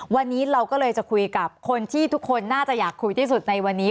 วันนี้เราก็เลยจะคุยกับคนที่ทุกคนน่าจะอยากคุยที่สุดในวันนี้